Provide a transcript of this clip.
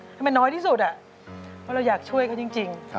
ทำไมน้อยที่สุดเพราะเราอยากช่วยเขาจริง